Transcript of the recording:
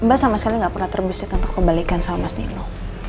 mbak sama sekali gak pernah terbisik untuk kembalikan sama mas nino